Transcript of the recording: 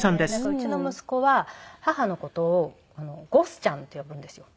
うちの息子は母の事を「ゴスちゃん」って呼ぶんですよ。